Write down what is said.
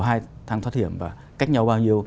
hai thang thoát hiểm và cách nhau bao nhiêu